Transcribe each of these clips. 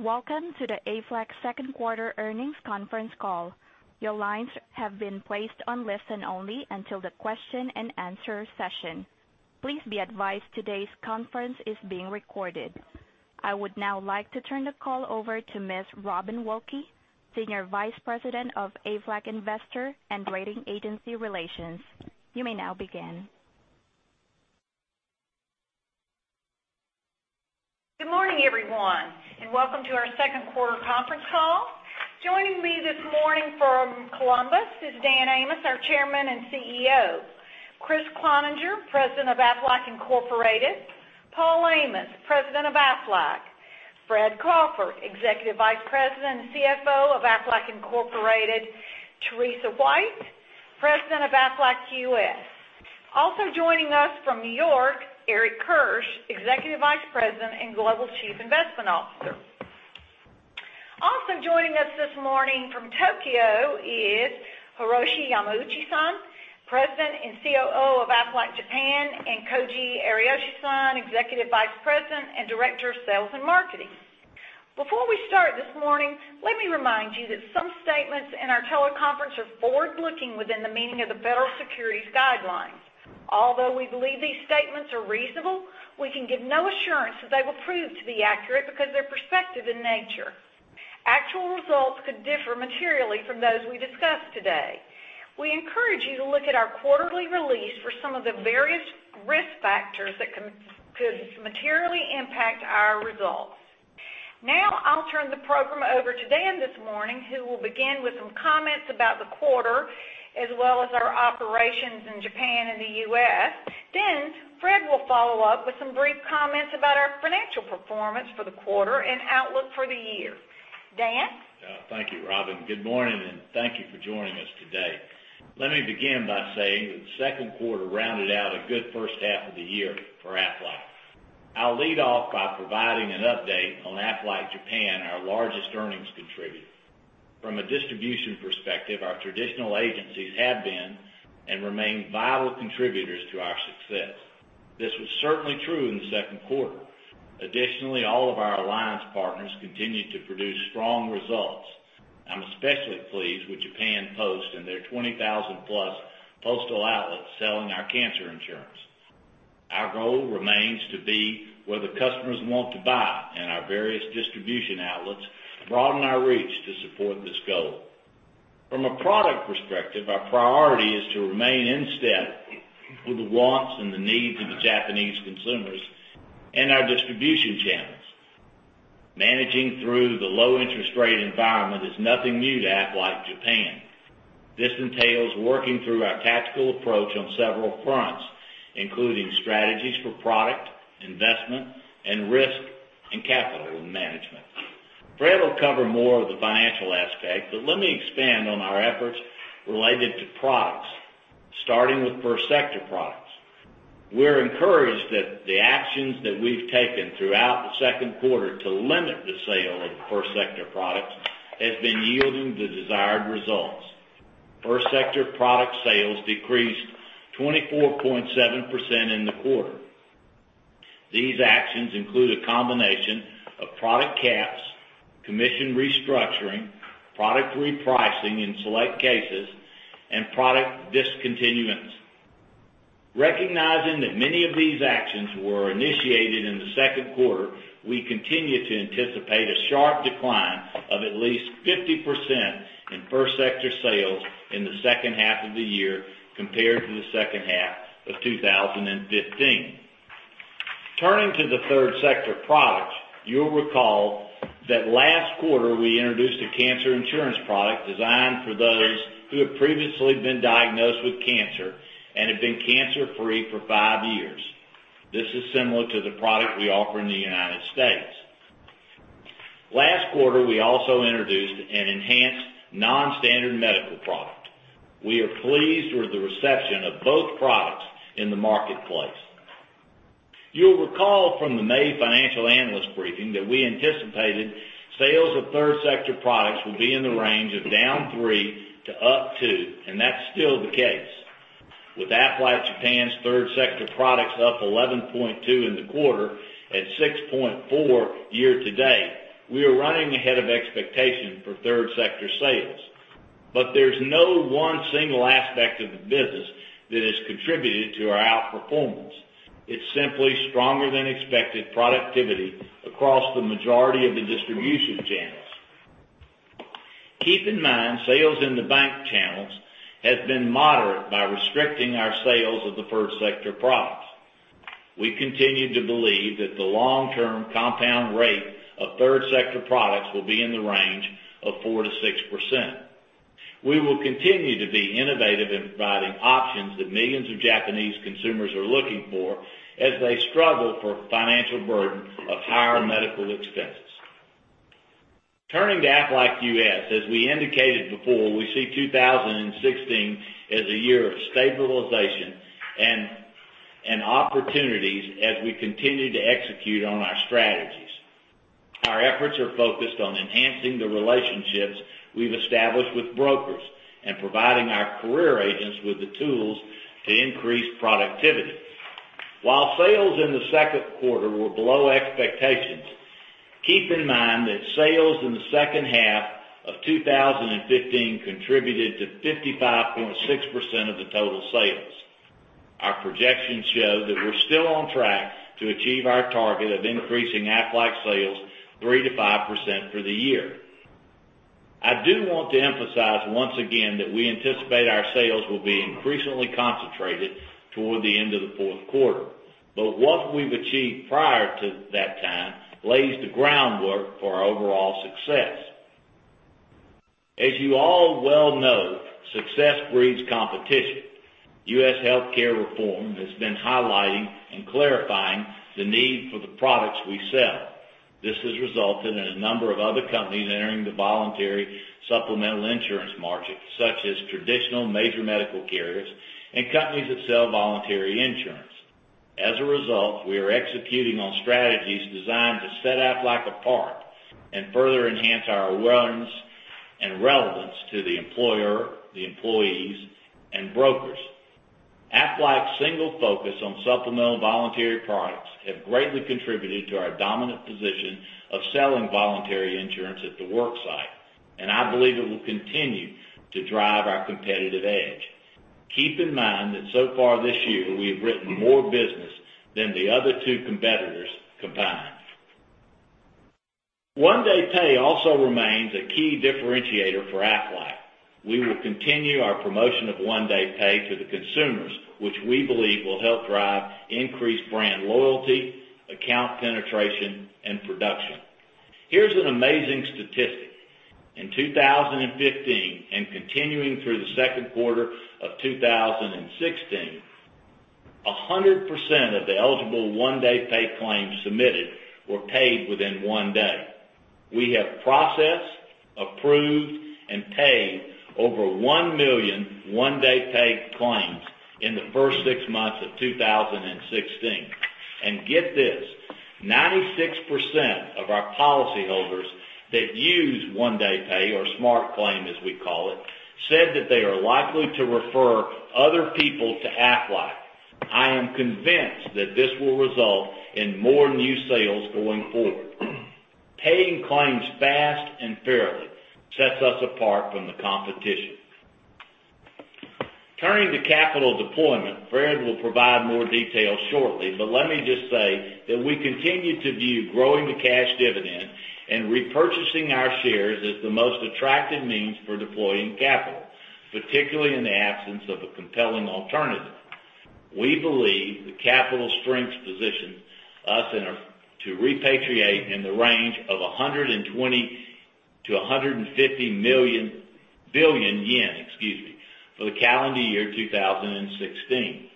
Welcome to the Aflac second quarter earnings conference call. Your lines have been placed on listen-only until the question and answer session. Please be advised today's conference is being recorded. I would now like to turn the call over to Ms. Robin Wolfe, Senior Vice President of Aflac Investor and Rating Agency Relations. You may now begin. Good morning, everyone. Welcome to our second quarter conference call. Joining me this morning from Columbus is Dan Amos, our Chairman and CEO. Kriss Cloninger, President of Aflac Incorporated. Paul Amos, President of Aflac. Fred Crawford, Executive Vice President and CFO of Aflac Incorporated. Teresa White, President of Aflac U.S. Also joining us from New York, Eric Kirsch, Executive Vice President and Global Chief Investment Officer. Also joining us this morning from Tokyo is Hiroshi Yamauchi-san, President and COO of Aflac Japan, and Koji Ariyoshi-san, Executive Vice President and Director of Sales and Marketing. Before we start this morning, let me remind you that some statements in our teleconference are forward-looking within the meaning of the Federal Securities Laws. Although we believe these statements are reasonable, we can give no assurance that they will prove to be accurate because they're prospective in nature. Actual results could differ materially from those we discuss today. We encourage you to look at our quarterly release for some of the various risk factors that could materially impact our results. Now, I'll turn the program over to Dan this morning, who will begin with some comments about the quarter, as well as our operations in Japan and the U.S. Fred will follow up with some brief comments about our financial performance for the quarter and outlook for the year. Dan? Thank you, Robin. Good morning. Thank you for joining us today. Let me begin by saying that the second quarter rounded out a good first half of the year for Aflac. I'll lead off by providing an update on Aflac Japan, our largest earnings contributor. From a distribution perspective, our traditional agencies have been and remain vital contributors to our success. This was certainly true in the second quarter. Additionally, all of our alliance partners continued to produce strong results. I'm especially pleased with Japan Post and their 20,000-plus postal outlets selling our cancer insurance. Our goal remains to be where the customers want to buy, and our various distribution outlets broaden our reach to support this goal. From a product perspective, our priority is to remain in step with the wants and the needs of the Japanese consumers and our distribution channels. Managing through the low interest rate environment is nothing new to Aflac Japan. This entails working through our tactical approach on several fronts, including strategies for product, investment, and risk and capital management. Fred will cover more of the financial aspect, but let me expand on our efforts related to products, starting with first sector products. We're encouraged that the actions that we've taken throughout the second quarter to limit the sale of first sector products has been yielding the desired results. First sector product sales decreased 24.7% in the quarter. These actions include a combination of product caps, commission restructuring, product repricing in select cases, and product discontinuance. Recognizing that many of these actions were initiated in the second quarter, we continue to anticipate a sharp decline of at least 50% in first sector sales in the second half of the year compared to the second half of 2015. Turning to the third sector products, you'll recall that last quarter we introduced a cancer insurance product designed for those who have previously been diagnosed with cancer and have been cancer-free for five years. This is similar to the product we offer in the U.S. Last quarter, we also introduced an enhanced non-standard medical product. We are pleased with the reception of both products in the marketplace. You'll recall from the May financial analyst briefing that we anticipated sales of third sector products will be in the range of down 3% to up 2%, and that's still the case. With Aflac Japan's third sector products up 11.2% in the quarter, at 6.4% year to date, we are running ahead of expectation for third sector sales. There's no one single aspect of the business that has contributed to our outperformance. It's simply stronger than expected productivity across the majority of the distribution channels. Keep in mind, sales in the bank channels has been moderate by restricting our sales of the first sector products. We continue to believe that the long-term compound rate of third sector products will be in the range of 4% to 6%. We will continue to be innovative in providing options that millions of Japanese consumers are looking for as they struggle for financial burden of higher medical expenses. Turning to Aflac U.S., as we indicated before, we see 2016 as a year of stabilization and opportunities as we continue to execute on our strategies. Our efforts are focused on enhancing the relationships we've established with brokers and providing our career agents with the tools to increase productivity. While sales in the second quarter were below expectations, keep in mind that sales in the second half of 2015 contributed to 55.6% of the total sales. Our projections show that we're still on track to achieve our target of increasing Aflac sales 3% to 5% for the year. I do want to emphasize once again, that we anticipate our sales will be increasingly concentrated toward the end of the fourth quarter. What we've achieved prior to that time lays the groundwork for our overall success. As you all well know, success breeds competition. U.S. healthcare reform has been highlighting and clarifying the need for the products we sell. This has resulted in a number of other companies entering the voluntary supplemental insurance market, such as traditional major medical carriers and companies that sell voluntary insurance. As a result, we are executing on strategies designed to set Aflac apart and further enhance our awareness and relevance to the employer, the employees, and brokers. Aflac's single focus on supplemental voluntary products have greatly contributed to our dominant position of selling voluntary insurance at the worksite. I believe it will continue to drive our competitive edge. Keep in mind that so far this year, we have written more business than the other two competitors combined. One Day Pay also remains a key differentiator for Aflac. We will continue our promotion of One Day Pay to the consumers, which we believe will help drive increased brand loyalty, account penetration, and production. Here's an amazing statistic. In 2015, and continuing through the second quarter of 2016, 100% of the eligible One Day Pay claims submitted were paid within one day. We have processed, approved, and paid over 1 million One Day Pay claims in the first six months of 2016. Get this, 96% of our policyholders that use One Day Pay or SmartClaim, as we call it, said that they are likely to refer other people to Aflac. I am convinced that this will result in more new sales going forward. Paying claims fast and fairly sets us apart from the competition. Turning to capital deployment, Fred will provide more details shortly, but let me just say that we continue to view growing the cash dividend and repurchasing our shares as the most attractive means for deploying capital, particularly in the absence of a compelling alternative. We believe the capital strength positions us to repatriate in the range of 120 billion to 150 billion yen, excuse me, for the calendar year 2016.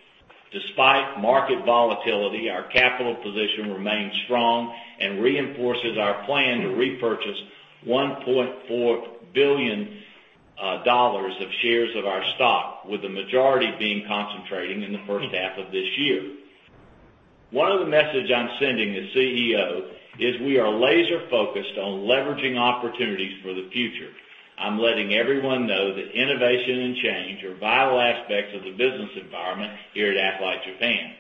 Despite market volatility, our capital position remains strong and reinforces our plan to repurchase $1.4 billion of shares of our stock, with the majority being concentrating in the first half of this year. One of the message I'm sending as CEO is we are laser-focused on leveraging opportunities for the future. I'm letting everyone know that innovation and change are vital aspects of the business environment here at Aflac Japan,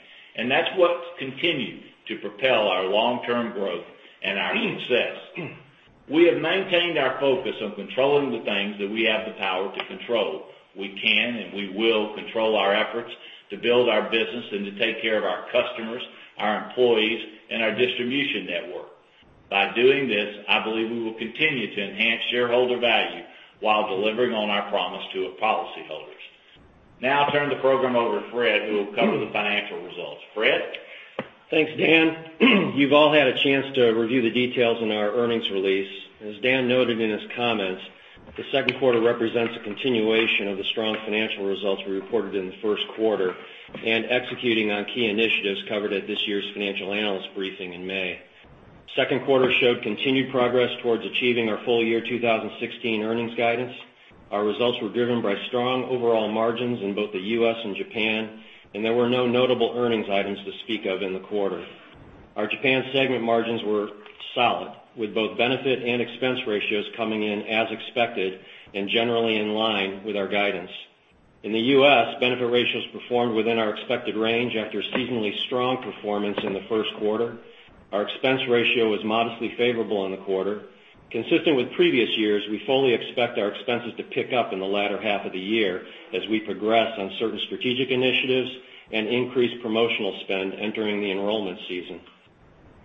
that's what's continued to propel our long-term growth and our success. We have maintained our focus on controlling the things that we have the power to control. We can and we will control our efforts to build our business and to take care of our customers, our employees, and our distribution network. By doing this, I believe we will continue to enhance shareholder value while delivering on our promise to our policyholders. I turn the program over to Fred, who will cover the financial results. Fred? Thanks, Dan. You've all had a chance to review the details in our earnings release. As Dan noted in his comments, the second quarter represents a continuation of the strong financial results we reported in the first quarter and executing on key initiatives covered at this year's financial analyst briefing in May. Second quarter showed continued progress towards achieving our full year 2016 earnings guidance. Our results were driven by strong overall margins in both the U.S. and Japan. There were no notable earnings items to speak of in the quarter. Our Japan segment margins were solid, with both benefit and expense ratios coming in as expected and generally in line with our guidance. In the U.S., benefit ratios performed within our expected range after seasonally strong performance in the first quarter. Our expense ratio was modestly favorable in the quarter. Consistent with previous years, we fully expect our expenses to pick up in the latter half of the year as we progress on certain strategic initiatives and increase promotional spend entering the enrollment season.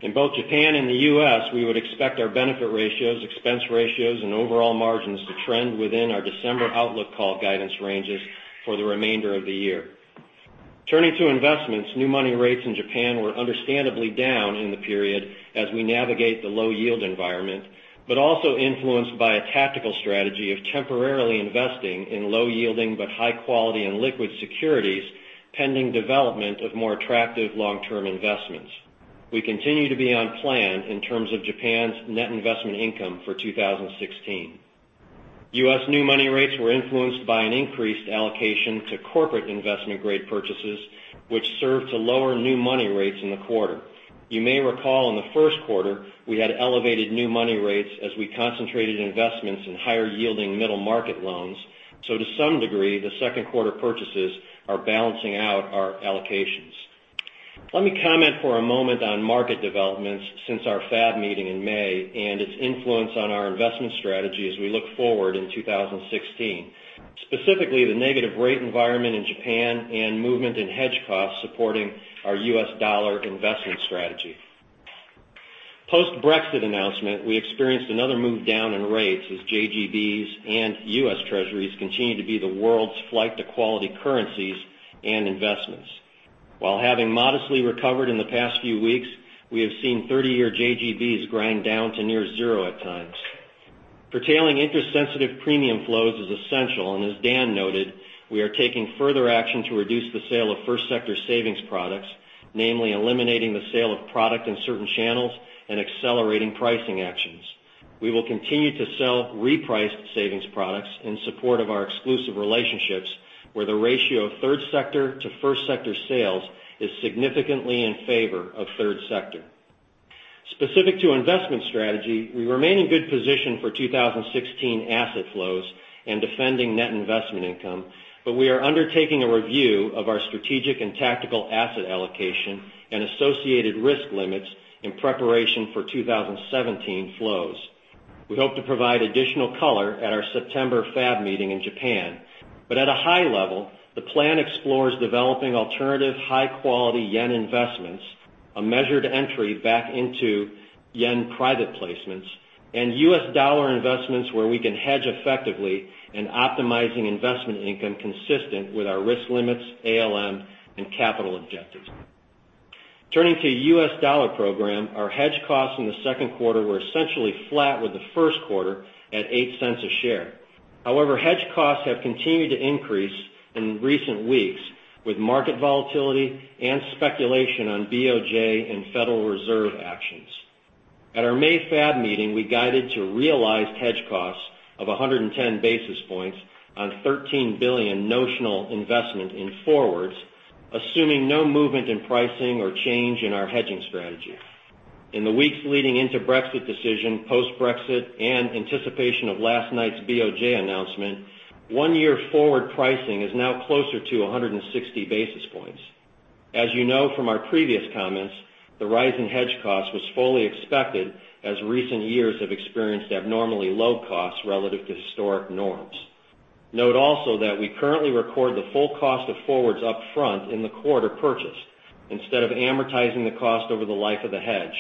In both Japan and the U.S., we would expect our benefit ratios, expense ratios, and overall margins to trend within our December outlook call guidance ranges for the remainder of the year. Turning to investments, new money rates in Japan were understandably down in the period as we navigate the low yield environment, but also influenced by a tactical strategy of temporarily investing in low yielding, but high quality and liquid securities, pending development of more attractive long-term investments. We continue to be on plan in terms of Japan's net investment income for 2016. U.S. new money rates were influenced by an increased allocation to corporate investment grade purchases, which served to lower new money rates in the quarter. You may recall in the first quarter, we had elevated new money rates as we concentrated investments in higher yielding middle market loans. To some degree, the second quarter purchases are balancing out our allocations. Let me comment for a moment on market developments since our FAB meeting in May and its influence on our investment strategy as we look forward in 2016, specifically the negative rate environment in Japan and movement in hedge costs supporting our U.S. dollar investment strategy. Post-Brexit announcement, we experienced another move down in rates as JGBs and U.S. Treasuries continue to be the world's flight to quality currencies and investments. While having modestly recovered in the past few weeks, we have seen 30-year JGBs grind down to near zero at times. Curtailing interest-sensitive premium flows is essential. As Dan noted, we are taking further action to reduce the sale of first sector savings products, namely eliminating the sale of product in certain channels and accelerating pricing actions. We will continue to sell repriced savings products in support of our exclusive relationships, where the ratio of third sector to first sector sales is significantly in favor of third sector. Specific to investment strategy, we remain in good position for 2016 asset flows and defending net investment income. We are undertaking a review of our strategic and tactical asset allocation and associated risk limits in preparation for 2017 flows. We hope to provide additional color at our September FAB meeting in Japan. At a high level, the plan explores developing alternative high-quality yen investments, a measured entry back into yen private placements, and U.S. dollar investments where we can hedge effectively and optimizing investment income consistent with our risk limits, ALM, and capital objectives. Turning to U.S. dollar program, our hedge costs in the second quarter were essentially flat with the first quarter at $0.08 a share. However, hedge costs have continued to increase in recent weeks, with market volatility and speculation on BOJ and Federal Reserve actions. At our May FAB meeting, we guided to realized hedge costs of 110 basis points on $13 billion notional investment in forwards, assuming no movement in pricing or change in our hedging strategy. In the weeks leading into Brexit decision, post-Brexit, and anticipation of last night's BOJ announcement, one-year forward pricing is now closer to 160 basis points. As you know from our previous comments, the rise in hedge cost was fully expected, as recent years have experienced abnormally low costs relative to historic norms. Note also that we currently record the full cost of forwards up front in the quarter purchased, instead of amortizing the cost over the life of the hedge.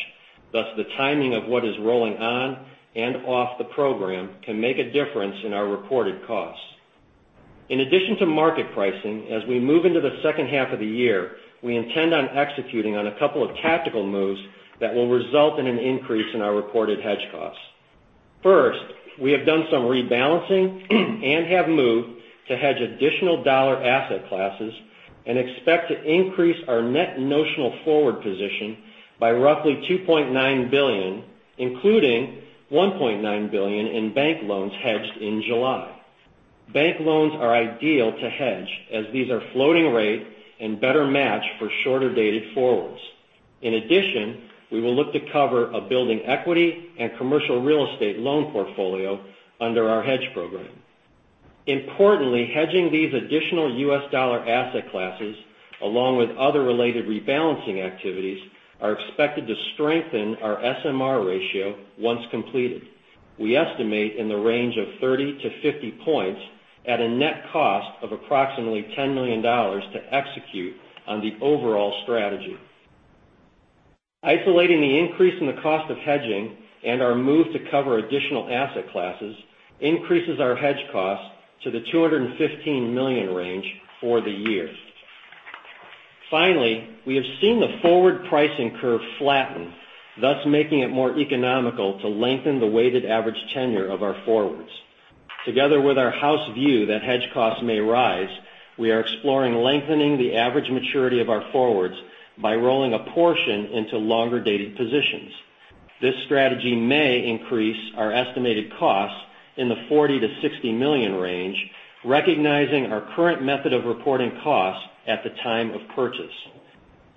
Thus, the timing of what is rolling on and off the program can make a difference in our reported costs. In addition to market pricing, as we move into the second half of the year, we intend on executing on a couple of tactical moves that will result in an increase in our reported hedge costs. First, we have done some rebalancing and have moved to hedge additional U.S. dollar asset classes and expect to increase our net notional forward position by roughly $2.9 billion, including $1.9 billion in bank loans hedged in July. Bank loans are ideal to hedge, as these are floating rate and better match for shorter-dated forwards. In addition, we will look to cover a building equity and commercial real estate loan portfolio under our hedge program. Importantly, hedging these additional U.S. dollar asset classes, along with other related rebalancing activities, are expected to strengthen our SMR ratio once completed. We estimate in the range of 30 to 50 points at a net cost of approximately $10 million to execute on the overall strategy. Isolating the increase in the cost of hedging and our move to cover additional asset classes increases our hedge costs to the $215 million range for the year. Finally, we have seen the forward pricing curve flatten, thus making it more economical to lengthen the weighted average tenure of our forwards. Together with our house view that hedge costs may rise, we are exploring lengthening the average maturity of our forwards by rolling a portion into longer-dated positions. This strategy may increase our estimated costs in the $40 million to $60 million range, recognizing our current method of reporting costs at the time of purchase.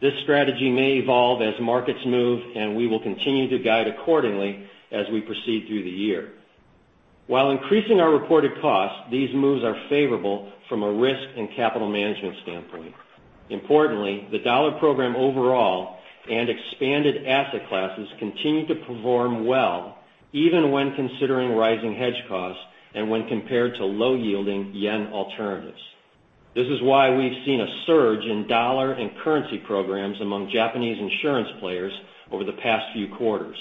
This strategy may evolve as markets move, and we will continue to guide accordingly as we proceed through the year. While increasing our reported costs, these moves are favorable from a risk and capital management standpoint. Importantly, the U.S. dollar program overall and expanded asset classes continue to perform well, even when considering rising hedge costs and when compared to low-yielding yen alternatives. This is why we've seen a surge in dollar and currency programs among Japanese insurance players over the past few quarters.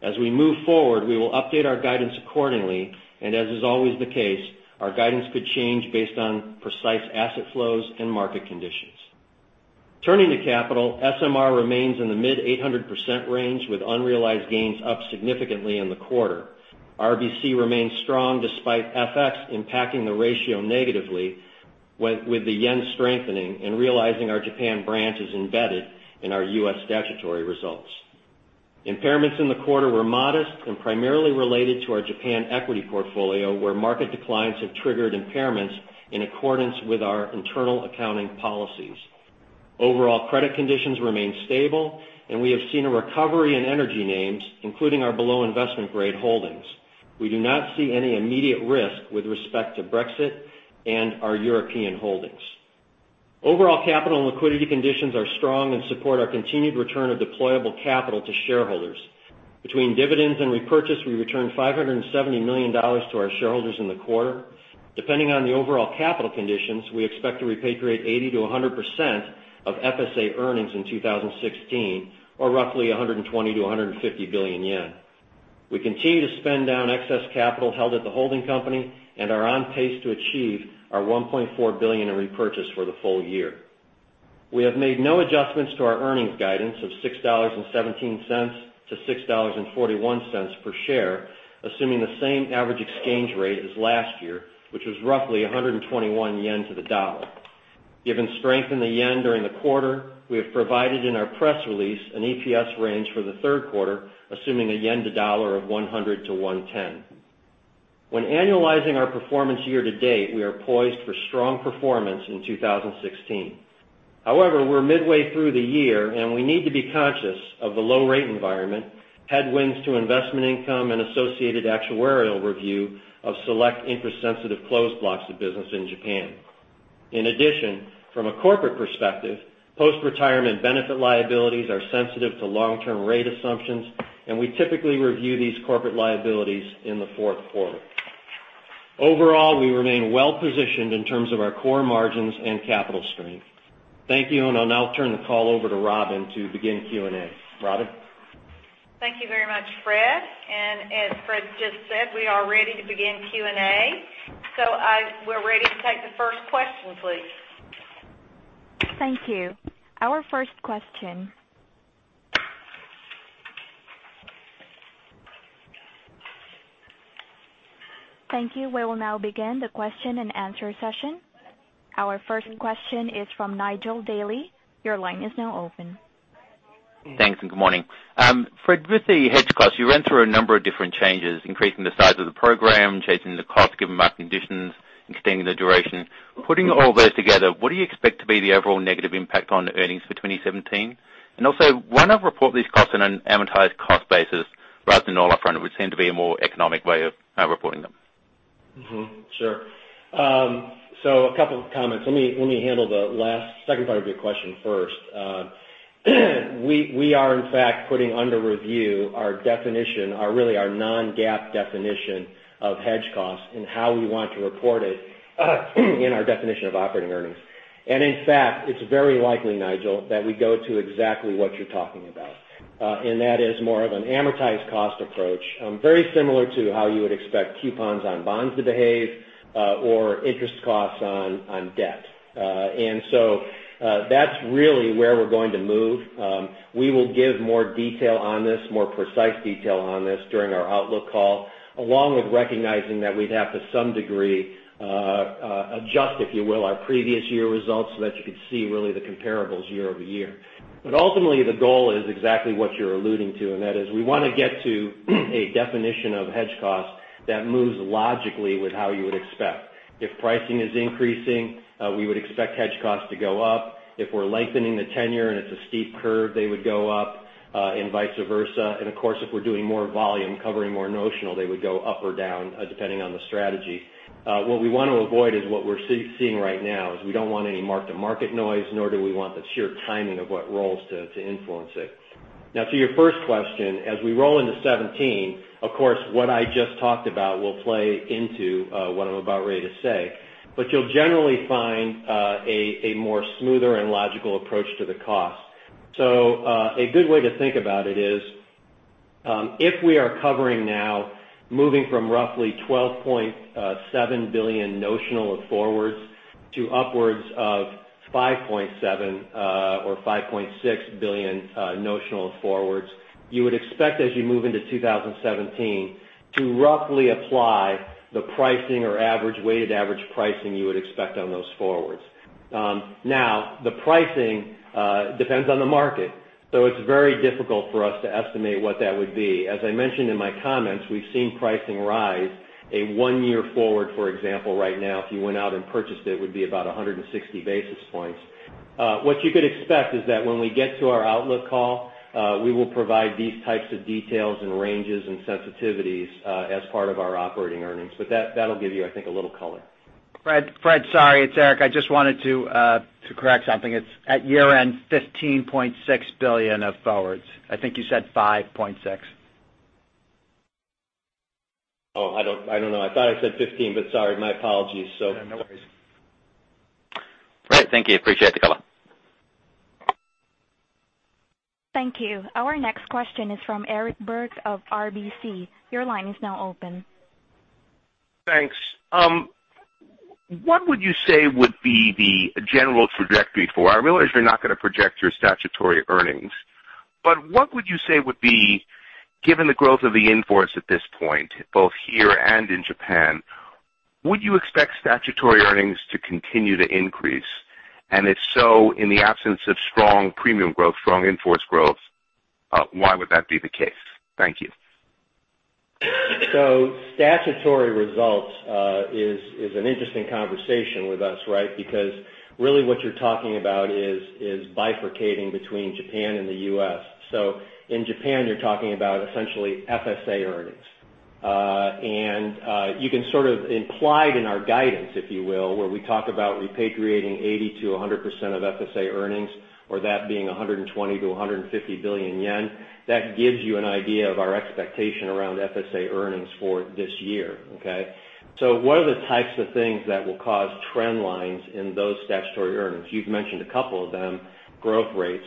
As we move forward, we will update our guidance accordingly, and as is always the case, our guidance could change based on precise asset flows and market conditions. Turning to capital, SMR remains in the mid 800% range, with unrealized gains up significantly in the quarter. RBC remains strong despite FX impacting the ratio negatively with the yen strengthening, and realizing our Japan branch is embedded in our U.S. statutory results. Impairments in the quarter were modest and primarily related to our Japan equity portfolio, where market declines have triggered impairments in accordance with our internal accounting policies. Overall credit conditions remain stable, and we have seen a recovery in energy names, including our below-investment-grade holdings. We do not see any immediate risk with respect to Brexit and our European holdings. Overall capital and liquidity conditions are strong and support our continued return of deployable capital to shareholders. Between dividends and repurchase, we returned $570 million to our shareholders in the quarter. Depending on the overall capital conditions, we expect to repatriate 80%-100% of FSA earnings in 2016, or roughly ¥120 billion to ¥150 billion. We continue to spend down excess capital held at the holding company and are on pace to achieve our $1.4 billion in repurchase for the full year. We have made no adjustments to our earnings guidance of $6.17 to $6.41 per share, assuming the same average exchange rate as last year, which was roughly ¥121 to the dollar. Given strength in the yen during the quarter, we have provided in our press release an EPS range for the third quarter, assuming a yen to dollar of 100 to 110. When annualizing our performance year-to-date, we are poised for strong performance in 2016. We're midway through the year, and we need to be conscious of the low-rate environment, headwinds to investment income, and associated actuarial review of select interest-sensitive closed blocks of business in Japan. In addition, from a corporate perspective, post-retirement benefit liabilities are sensitive to long-term rate assumptions, and we typically review these corporate liabilities in the fourth quarter. Overall, we remain well-positioned in terms of our core margins and capital strength. Thank you. I'll now turn the call over to Robin to begin Q&A. Robin? Thank you very much, Fred. As Fred just said, we are ready to begin Q&A. We're ready to take the first question, please. Thank you. We will now begin the question-and-answer session. Our first question is from Nigel Daly. Your line is now open. Thanks, good morning. Fred, with the hedge costs, you ran through a number of different changes, increasing the size of the program, changing the cost given market conditions, extending the duration. Putting all those together, what do you expect to be the overall negative impact on earnings for 2017? Also, why not report these costs on an amortized cost basis rather than all up front, it would seem to be a more economic way of reporting them. Sure. A couple of comments. Let me handle the second part of your question first. We are in fact putting under review our definition, really our non-GAAP definition of hedge costs and how we want to report it in our definition of operating earnings. In fact, it's very likely, Nigel, that we go to exactly what you're talking about. That is more of an amortized cost approach, very similar to how you would expect coupons on bonds to behave or interest costs on debt. That's really where we're going to move. We will give more precise detail on this during our outlook call, along with recognizing that we'd have to some degree adjust, if you will, our previous year results so that you could see really the comparables year-over-year. Ultimately, the goal is exactly what you're alluding to, that is we want to get to a definition of hedge cost that moves logically with how you would expect. If pricing is increasing, we would expect hedge costs to go up. If we're lengthening the tenure and it's a steep curve, they would go up, and vice versa. Of course, if we're doing more volume, covering more notional, they would go up or down depending on the strategy. What we want to avoid is what we're seeing right now is we don't want any mark-to-market noise, nor do we want the sheer timing of what rolls to influence it. Now to your first question, as we roll into 2017, of course, what I just talked about will play into what I'm about ready to say. You'll generally find a smoother and logical approach to the cost. A good way to think about it is if we are covering now moving from roughly $12.7 billion notional of forwards to upwards of $5.7 billion or $5.6 billion notional of forwards, you would expect as you move into 2017 to roughly apply the pricing or weighted average pricing you would expect on those forwards. The pricing depends on the market, so it's very difficult for us to estimate what that would be. As I mentioned in my comments, we've seen pricing rise a one-year forward, for example, right now, if you went out and purchased it, would be about 160 basis points. What you could expect is that when we get to our outlook call, we will provide these types of details and ranges and sensitivities as part of our operating earnings. That'll give you, I think, a little color. Fred, sorry, it's Eric. I just wanted to correct something. It's at year-end $15.6 billion of forwards. I think you said $5.6 billion. I don't know. I thought I said 15, but sorry, my apologies. Yeah, no worries. Great. Thank you. Appreciate the color. Thank you. Our next question is from Eric Berg of RBC. Your line is now open. Thanks. What would you say would be the general trajectory for, I realize you're not going to project your statutory earnings, but what would you say would be, given the growth of the in-force at this point, both here and in Japan, would you expect statutory earnings to continue to increase? If so, in the absence of strong premium growth, strong in-force growth, why would that be the case? Thank you. Statutory results is an interesting conversation with us, right? Really what you're talking about is bifurcating between Japan and the U.S. In Japan, you're talking about essentially FSA earnings. You can sort of imply it in our guidance, if you will, where we talk about repatriating 80%-100% of FSA earnings or that being 120 billion-150 billion yen. That gives you an idea of our expectation around FSA earnings for this year. Okay? What are the types of things that will cause trend lines in those statutory earnings? You've mentioned a couple of them, growth rates.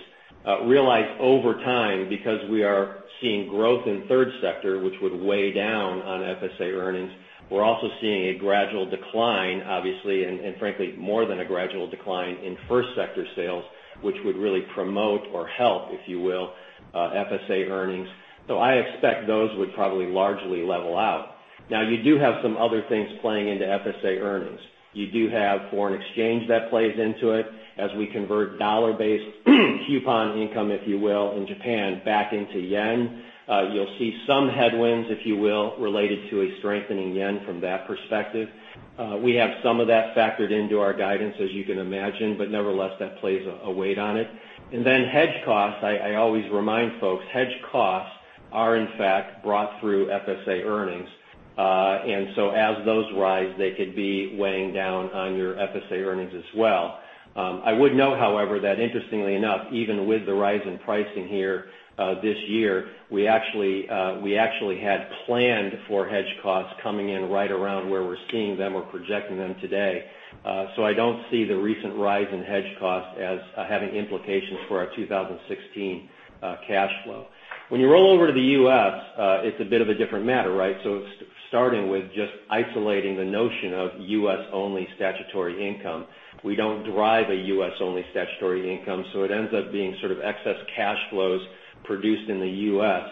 Realize over time, because we are seeing growth in third sector, which would weigh down on FSA earnings. We're also seeing a gradual decline, obviously, and frankly, more than a gradual decline in first sector sales, which would really promote or help, if you will, FSA earnings. I expect those would probably largely level out. You do have some other things playing into FSA earnings. You do have foreign exchange that plays into it as we convert USD-based coupon income, if you will, in Japan back into JPY. You'll see some headwinds, if you will, related to a strengthening JPY from that perspective. We have some of that factored into our guidance, as you can imagine, but nevertheless, that plays a weight on it. Hedge costs, I always remind folks, hedge costs are in fact brought through FSA earnings. As those rise, they could be weighing down on your FSA earnings as well. I would note, however, that interestingly enough, even with the rise in pricing here this year, we actually had planned for hedge costs coming in right around where we're seeing them or projecting them today. I don't see the recent rise in hedge costs as having implications for our 2016 cash flow. When you roll over to the U.S., it's a bit of a different matter, right? Starting with just isolating the notion of U.S.-only statutory income. We don't derive a U.S.-only statutory income, so it ends up being sort of excess cash flows produced in the U.S.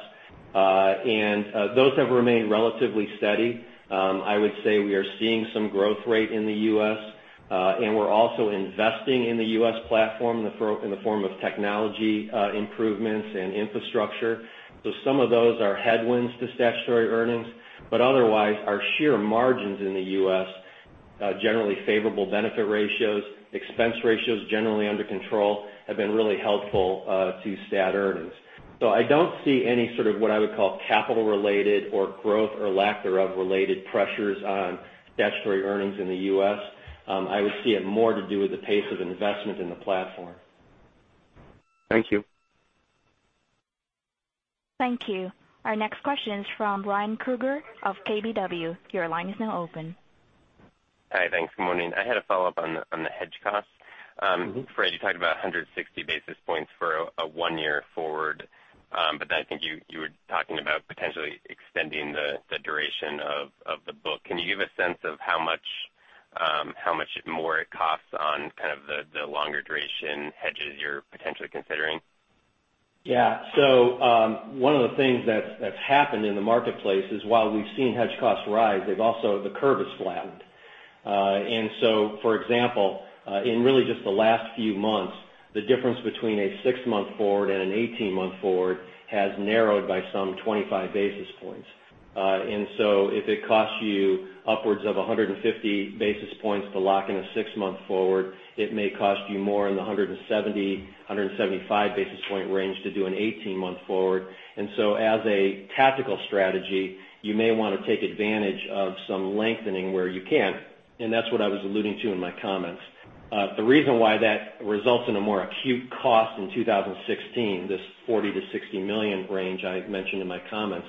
Those have remained relatively steady. I would say we are seeing some growth rate in the U.S., and we're also investing in the U.S. platform in the form of technology improvements and infrastructure. Some of those are headwinds to statutory earnings. Otherwise, our sheer margins in the U.S., generally favorable benefit ratios, expense ratios generally under control, have been really helpful to stat earnings. I don't see any sort of what I would call capital-related or growth or lack thereof-related pressures on statutory earnings in the U.S. I would see it more to do with the pace of investment in the platform. Thank you. Thank you. Our next question is from Ryan Krueger of KBW. Your line is now open. Hi. Thanks. Good morning. I had a follow-up on the hedge costs. Fred, you talked about 160 basis points for a one-year forward, but then I think you were talking about potentially extending the duration of the book. Can you give a sense of how much more it costs on the longer duration hedges you're potentially considering? Yeah. One of the things that's happened in the marketplace is while we've seen hedge costs rise, the curve has flattened. For example, in really just the last few months, the difference between a six-month forward and an 18-month forward has narrowed by some 25 basis points. If it costs you upwards of 150 basis points to lock in a six-month forward, it may cost you more in the 170, 175 basis point range to do an 18-month forward. As a tactical strategy, you may want to take advantage of some lengthening where you can. That's what I was alluding to in my comments. The reason why that results in a more acute cost in 2016, this $40 million-$60 million range I mentioned in my comments,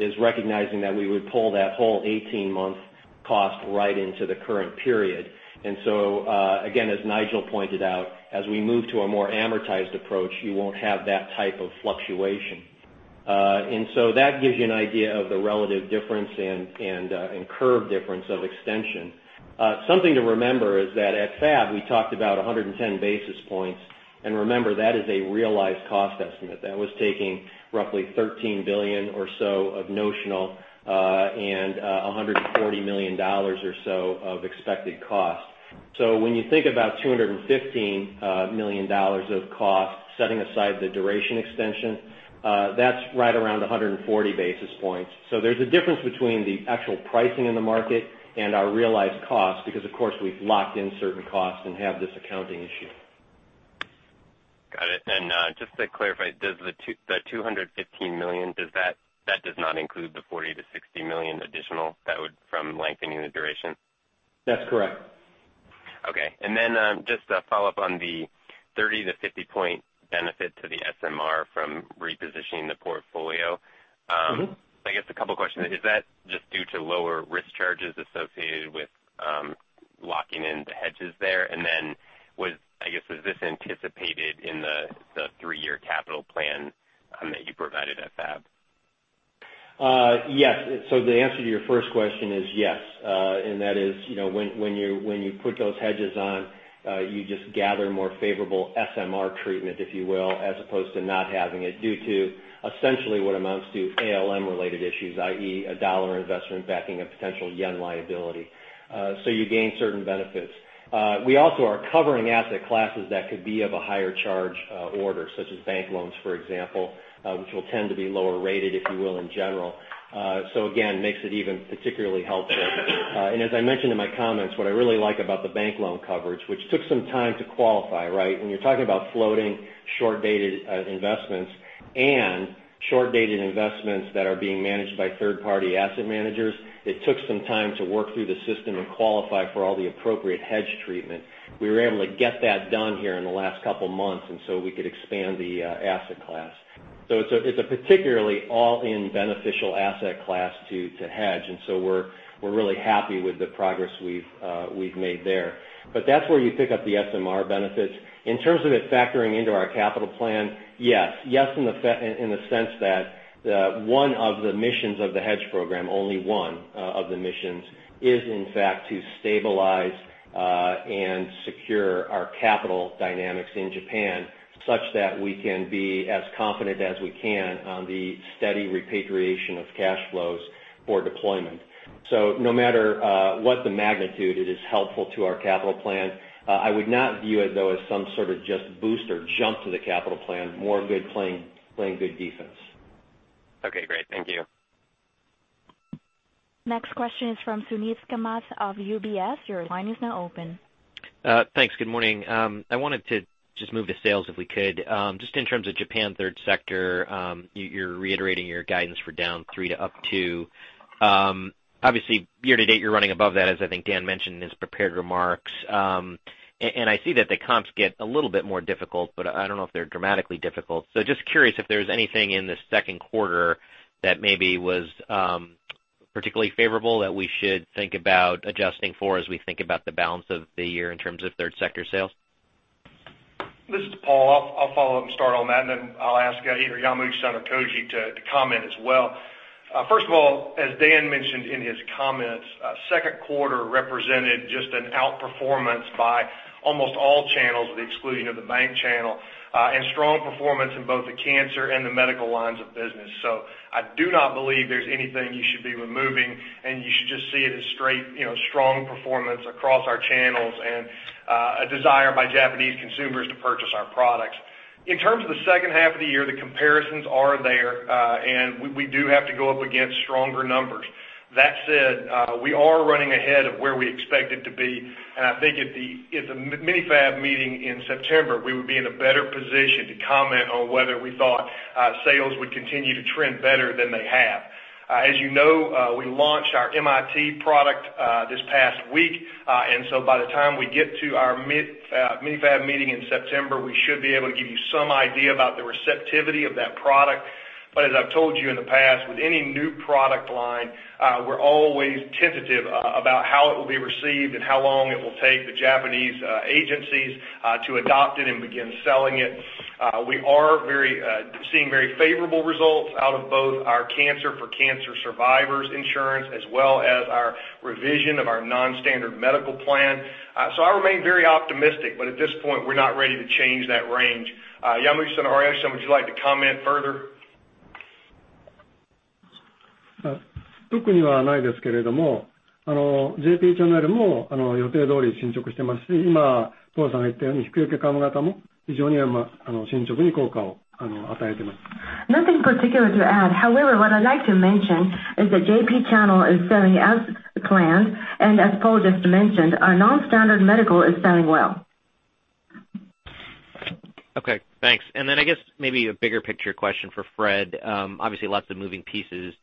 is recognizing that we would pull that whole 18-month cost right into the current period. Again, as Nigel pointed out, as we move to a more amortized approach, you won't have that type of fluctuation. That gives you an idea of the relative difference and curve difference of extension. Something to remember is that at FAB we talked about 110 basis points. Remember, that is a realized cost estimate. That was taking roughly $13 billion or so of notional, and $140 million or so of expected cost. When you think about $215 million of cost, setting aside the duration extension, that's right around 140 basis points. There's a difference between the actual pricing in the market and our realized cost because, of course, we've locked in certain costs and have this accounting issue. Got it. Just to clarify, the $215 million, that does not include the $40 million-$60 million additional from lengthening the duration? That's correct. Okay. Just a follow-up on the 30-50 point benefit to the SMR from repositioning the portfolio. I guess a couple questions. Is that just due to lower risk charges associated with locking in the hedges there? Was this anticipated in the three-year capital plan that you provided at FAB? Yes. The answer to your first question is yes. That is when you put those hedges on, you just gather more favorable SMR treatment, if you will, as opposed to not having it due to essentially what amounts to ALM related issues, i.e., a dollar investment backing a potential yen liability. You gain certain benefits. We also are covering asset classes that could be of a higher charge order, such as bank loans, for example, which will tend to be lower rated, if you will, in general. Again, makes it even particularly helpful. As I mentioned in my comments, what I really like about the bank loan coverage, which took some time to qualify, right? When you're talking about floating short-dated investments and short-dated investments that are being managed by third-party asset managers, it took some time to work through the system and qualify for all the appropriate hedge treatment. We were able to get that done here in the last couple of months, we could expand the asset class. It's a particularly all-in beneficial asset class to hedge, we're really happy with the progress we've made there. That's where you pick up the SMR benefits. In terms of it factoring into our capital plan, yes. Yes in the sense that one of the missions of the hedge program, only one of the missions, is in fact to stabilize and secure our capital dynamics in Japan such that we can be as confident as we can on the steady repatriation of cash flows for deployment. No matter what the magnitude, it is helpful to our capital plan. I would not view it, though, as some sort of just boost or jump to the capital plan. More good playing good defense. Okay, great. Thank you. Next question is from Suneet Kamath of UBS. Your line is now open. Thanks. Good morning. I wanted to just move to sales, if we could. Just in terms of Japan third sector, you're reiterating your guidance for down 3% to up 2%. Obviously, year-to-date you're running above that, as I think Dan mentioned in his prepared remarks. I see that the comps get a little bit more difficult, but I don't know if they're dramatically difficult. Just curious if there's anything in the second quarter that maybe was particularly favorable that we should think about adjusting for as we think about the balance of the year in terms of third sector sales. This is Paul. I'll follow up and start on that, and then I'll ask either Yamush or Koji to comment as well. First of all, as Dan mentioned in his comments, second quarter represented just an outperformance by almost all channels with the exclusion of the bank channel, and strong performance in both the cancer and the medical lines of business. I do not believe there's anything you should be removing, and you should just see it as straight, strong performance across our channels and a desire by Japanese consumers to purchase our products. In terms of the second half of the year, the comparisons are there, and we do have to go up against stronger numbers. That said, we are running ahead of where we expected to be, and I think at the mini-fab meeting in September, we would be in a better position to comment on whether we thought sales would continue to trend better than they have. As you know, we launched our MIT product this past week, by the time we get to our mini-fab meeting in September, we should be able to give you some idea about the receptivity of that product. As I've told you in the past, with any new product line, we're always tentative about how it will be received and how long it will take the Japanese agencies to adopt it and begin selling it. We are seeing very favorable results out of both our cancer for cancer survivors insurance as well as our revision of our non-standard medical plan. I remain very optimistic, at this point, we're not ready to change that range. Yamauchi or Ariyoshi, would you like to comment further? Nothing particular to add. However, what I'd like to mention is that Japan channel is selling as planned, as Paul just mentioned, our non-standard medical is selling well. Okay, thanks. I guess maybe a bigger picture question for Fred. Obviously, lots of moving pieces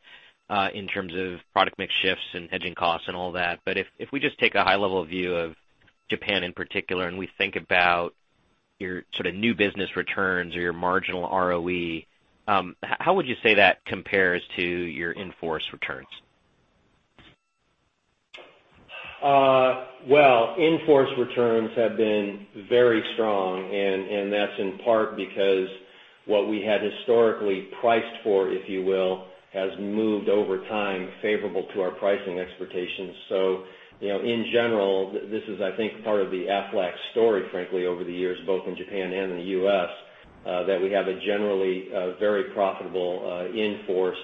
in terms of product mix shifts and hedging costs and all that. If we just take a high level view of Japan in particular, and we think about your sort of new business returns or your marginal ROE, how would you say that compares to your in-force returns? Well, in-force returns have been very strong, and that's in part because what we had historically priced for, if you will, has moved over time favorable to our pricing expectations. In general, this is, I think, part of the Aflac story, frankly, over the years, both in Japan and in the U.S., that we have a generally very profitable in-force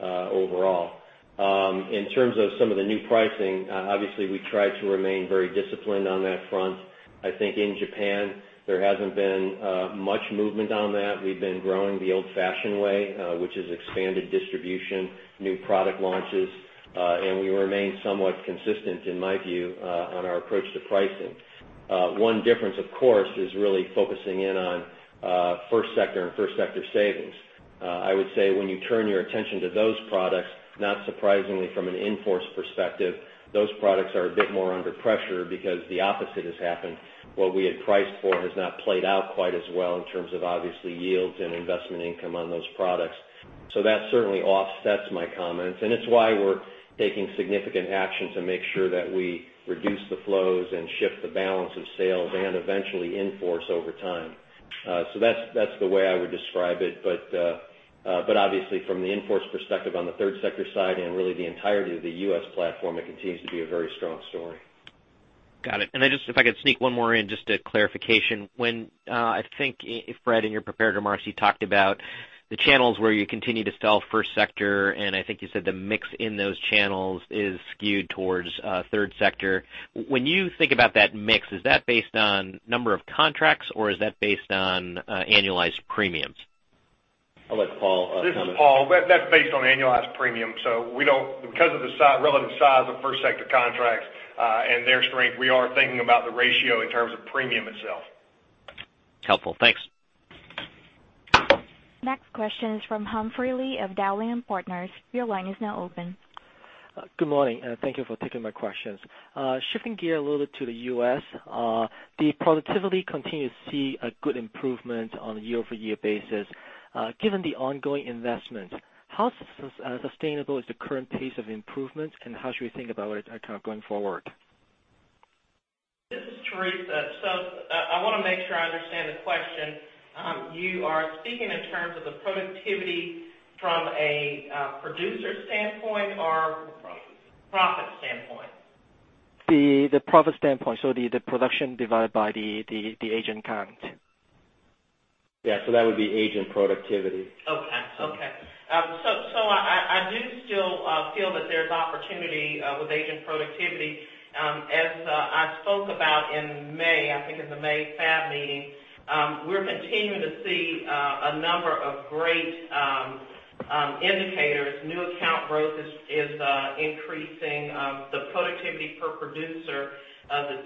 overall. In terms of some of the new pricing, obviously we try to remain very disciplined on that front. I think in Japan, there hasn't been much movement on that. We've been growing the old-fashioned way, which is expanded distribution, new product launches, and we remain somewhat consistent, in my view, on our approach to pricing. One difference, of course, is really focusing in on first sector and first sector savings. I would say when you turn your attention to those products, not surprisingly from an in-force perspective, those products are a bit more under pressure because the opposite has happened. What we had priced for has not played out quite as well in terms of obviously yields and investment income on those products. That certainly offsets my comments, and it's why we're taking significant action to make sure that we reduce the flows and shift the balance of sales and eventually in-force over time. That's the way I would describe it. Obviously from the in-force perspective on the third sector side and really the entirety of the U.S. platform, it continues to be a very strong story. Got it. If I could sneak one more in, just a clarification. I think, Fred, in your prepared remarks, you talked about the channels where you continue to sell first sector, and I think you said the mix in those channels is skewed towards third sector. When you think about that mix, is that based on number of contracts or is that based on annualized premiums? I'll let Paul comment. This is Paul. That's based on annualized premium. Because of the relative size of first sector contracts, and their strength, we are thinking about the ratio in terms of premium itself. Helpful. Thanks. Next question is from Humphrey Lee of Dowling & Partners. Your line is now open. Good morning, and thank you for taking my questions. Shifting gear a little bit to the U.S., the productivity continue to see a good improvement on a year-over-year basis. Given the ongoing investment, how sustainable is the current pace of improvement and how should we think about it going forward? This is Teresa. I want to make sure I understand the question. You are speaking in terms of the productivity from a producer standpoint or- Profit. Profit standpoint. The profit standpoint. The production divided by the agent count. Yeah, that would be agent productivity. I do still feel that there's opportunity with agent productivity. As I spoke about in May, I think in the May FAB meeting, we're continuing to see a number of great indicators. New account growth is increasing. The productivity per producer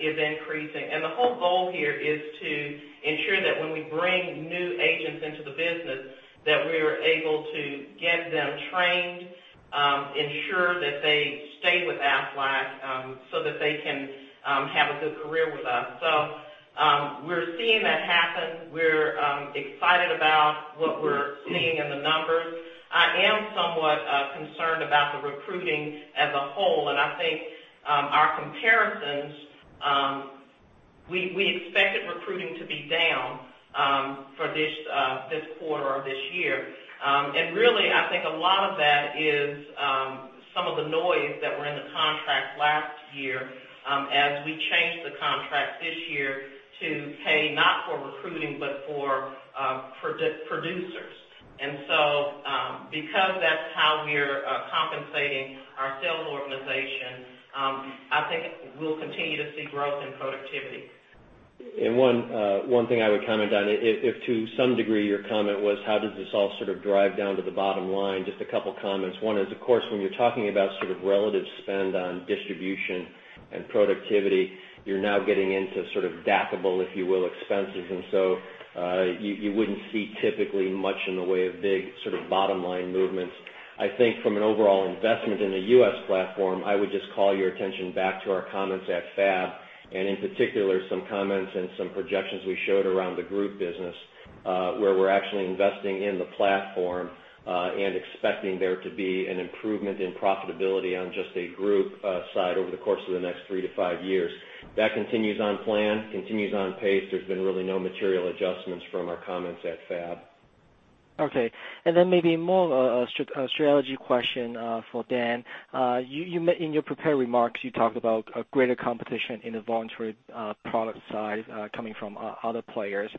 is increasing. The whole goal here is to ensure that when we bring new agents into the business, that we're able to get them trained, ensure that they stay with Aflac, so that they can have a good career with us. We're seeing that happen. We're excited about what we're seeing in the numbers. I am somewhat concerned about the recruiting as a whole. I think our comparisons, we expected recruiting to be down for this quarter or this year. Really, I think a lot of that is some of the noise that were in the contract last year as we changed the contract this year to pay not for recruiting, but for producers. Because that's how we're compensating our sales organization, I think we'll continue to see growth in productivity. One thing I would comment on, if to some degree your comment was how does this all sort of drive down to the bottom line, just a couple comments. One is, of course, when you're talking about sort of relative spend on distribution and productivity, you're now getting into sort of DAC-able, if you will, expenses. You wouldn't see typically much in the way of big sort of bottom-line movements. I think from an overall investment in the U.S. platform, I would just call your attention back to our comments at FAB, and in particular, some comments and some projections we showed around the group business where we're actually investing in the platform and expecting there to be an improvement in profitability on just a group side over the course of the next three to five years. That continues on plan, continues on pace. There's been really no material adjustments from our comments at FAB. Okay. Then maybe more of a strategy question for Dan. In your prepared remarks, you talked about a greater competition in the voluntary product side coming from other players.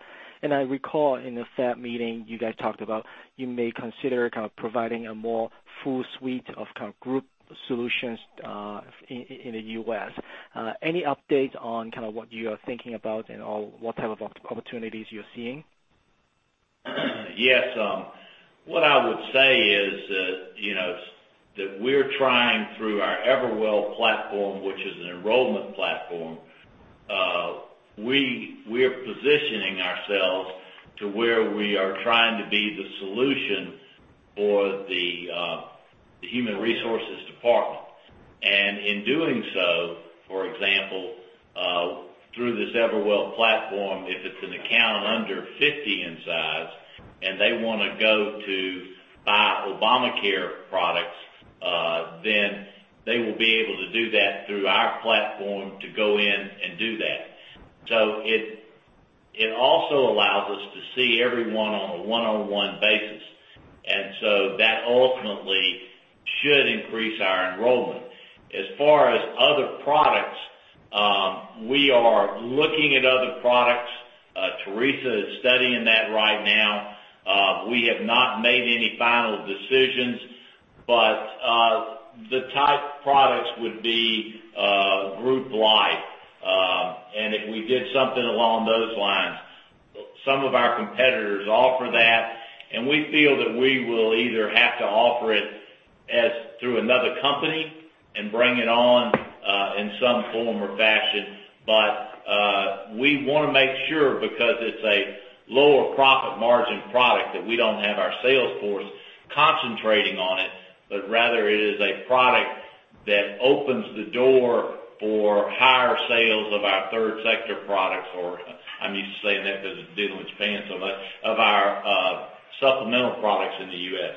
I recall in the FAB meeting, you guys talked about you may consider kind of providing a more full suite of group solutions in the U.S. Any updates on what you are thinking about and what type of opportunities you're seeing? Yes. What I would say is we're trying through our Everwell platform, which is an enrollment platform, we're positioning ourselves to where we are trying to be the solution for the human resources department. In doing so, for example, through this Everwell platform, if it's an account under 50 in size and they want to go to buy Obamacare products, they will be able to do that through our platform to go in and do that. It also allows us to see everyone on a one-on-one basis. That ultimately should increase our enrollment. As far as other products, we are looking at other products. Teresa is studying that right now. We have not made any final decisions, but the type of products would be group life. If we did something along those lines, some of our competitors offer that, we feel that we will either have to offer it as through another company and bring it on in some form or fashion. We want to make sure because it's a lower profit margin product, that we don't have our sales force concentrating on it, rather it is a product that opens the door for higher sales of our third sector products or, I'm used to saying that because of dental and Japan so much, of our supplemental products in the U.S.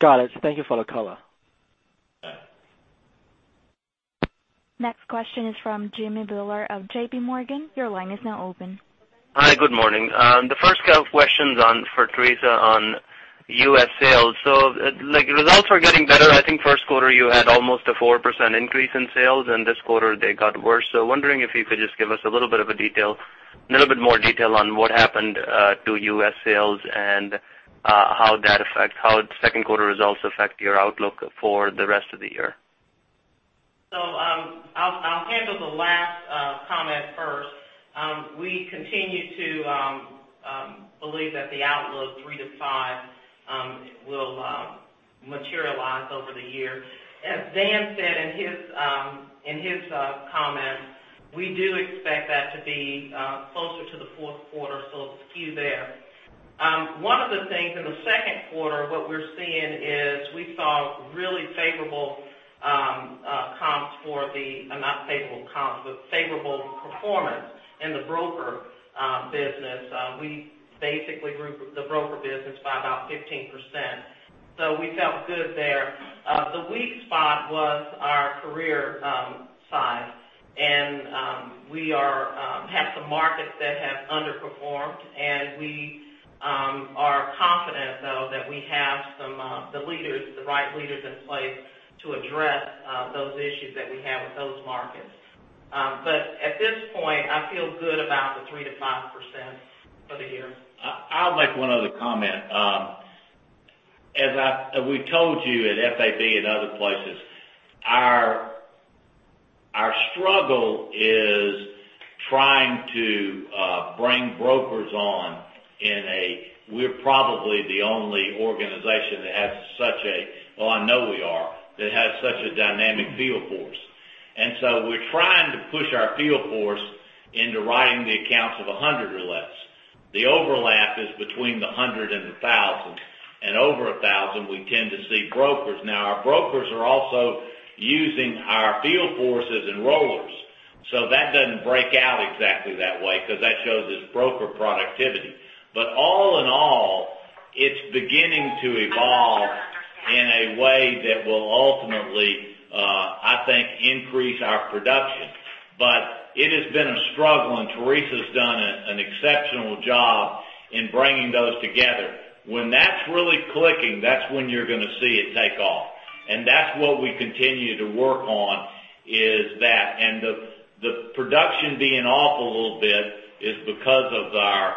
Got it. Thank you for the color. Yeah. Next question is from Jimmy Bhullar of J.P. Morgan. Your line is now open. Hi, good morning. The first question's for Teresa on U.S. sales. Results are getting better. I think first quarter you had almost a 4% increase in sales, and this quarter they got worse. Wondering if you could just give us a little bit more detail on what happened to U.S. sales and how second quarter results affect your outlook for the rest of the year. I'll handle the last comment first. We continue to believe that the outlook 3%-5% will materialize over the year. As Dan said in his comments, we do expect that to be closer to the fourth quarter, so a skew there. One of the things in the second quarter, what we're seeing is we saw really favorable performance in the broker business. We basically grew the broker business by about 15%. We felt good there. The weak spot was our career side, and we have some markets that have underperformed, and we are confident though that we have the right leaders in place to address those issues that we have with those markets. At this point, I feel good about the 3%-5% for the year. I'll make one other comment. As we told you at FAB and other places, our struggle is trying to bring brokers on. We're probably the only organization that has such a, well, I know we are, that has such a dynamic field force. We're trying to push our field force into writing the accounts of 100 or less. The overlap is between the 100 and 1,000, and over 1,000 we tend to see brokers. Our brokers are also using our field forces enrollers. That doesn't break out exactly that way because that shows it's broker productivity. All in all, it's beginning to evolve in a way that will ultimately, I think, increase our production. It has been a struggle, and Teresa's done an exceptional job in bringing those together. When that's really clicking, that's when you're going to see it take off. That's what we continue to work on, is that. The production being off a little bit is because of our